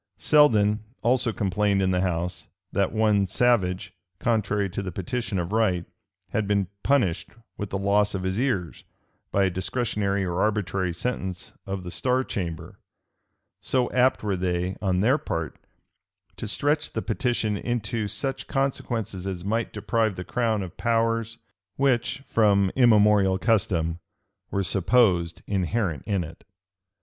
Selden also complained in the house, that one Savage, contrary to the petition of right, had been punished with the loss of his ears, by a discretionary or arbitrary sentence of the star chamber:[] so apt were they, on their part, to stretch the petition into such consequences as might deprive the crown of powers which, from immemorial custom, were supposed inherent in it.